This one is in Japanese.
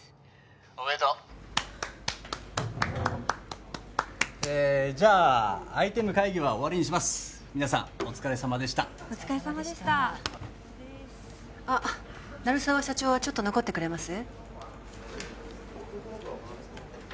おめでとうえじゃあアイテム会議は終わりにします皆さんお疲れさまでしたお疲れさまでしたあっ鳴沢社長はちょっと残ってくれます？